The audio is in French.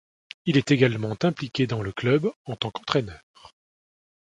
Il est également impliqué dans le club en tant qu'entraîneur.